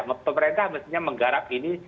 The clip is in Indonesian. mereka mestinya menggarap ini